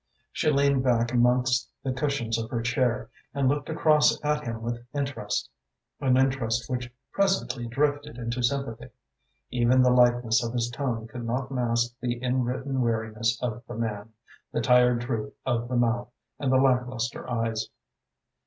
She leaned back amongst the cushions of her chair and looked across at him with interest, an interest which presently drifted into sympathy. Even the lightness of his tone could not mask the inwritten weariness of the man, the tired droop of the mouth, and the lacklustre eyes.